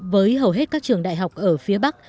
với hầu hết các trường đại học ở phía bắc